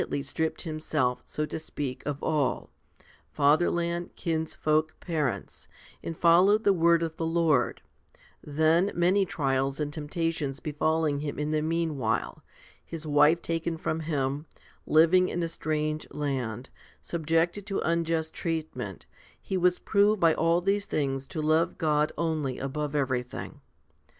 HOMILY V 49 stripped himself, so to speak, of all fatherland, kinsfolk, parents and followed the word of the Lord ; then, many trials and temptations befalling him in the meanwhile, his wife taken from him, living in a strange land, subjected to unjust treatment, he was proved by all these things to love God only above everything.